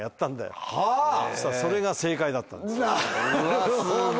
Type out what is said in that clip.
なるほど。